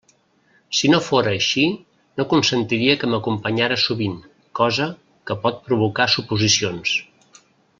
Si no fóra així, no consentiria que m'acompanyara sovint, cosa que pot provocar suposicions.